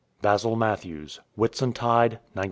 BASIL MATHEWS. 'Whitsuntide, 1916.